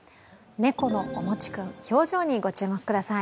猫のおもち君、表情にご注目ください。